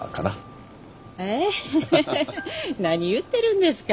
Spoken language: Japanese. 何言ってるんですか？